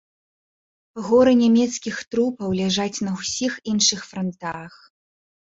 Горы нямецкіх трупаў ляжаць на ўсіх іншых франтах.